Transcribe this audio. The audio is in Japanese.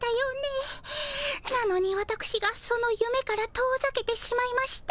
なのにわたくしがそのゆめから遠ざけてしまいました。